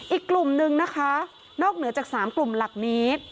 อีกกลุ่มนึงนะคะนอกเหนือจาก๓กลุ่มหลักนี้